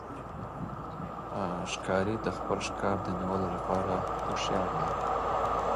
ښکاري د خپل ښکار د نیولو لپاره هوښیار دی.